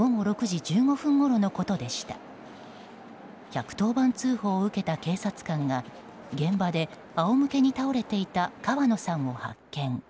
１１０番通報を受けた警察官が現場で仰向けに倒れていた川野さんを発見。